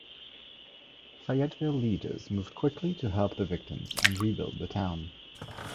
Fayetteville leaders moved quickly to help the victims and rebuild the town.